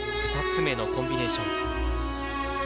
２つ目のコンビネーション。